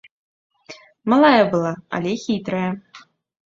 Малая была, але хітрая.